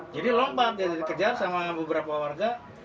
jadi lompat jadi kejar sama beberapa warga